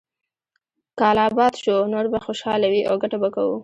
کال اباد شو، نور به خوشاله وي او ګټه به کوو.